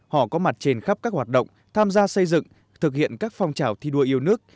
họ có mặt trên khắp các hoạt động tham gia xây dựng thực hiện các phong trào thi đua yêu nước